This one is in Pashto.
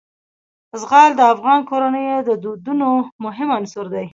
زغال د افغان کورنیو د دودونو مهم عنصر دی.